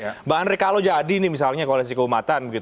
mbak andri kalau jadi ini misalnya koalisi keumatan